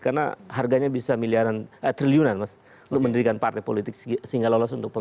karena harganya bisa triliunan mas untuk mendirikan partai politik sehingga lolos untuk politik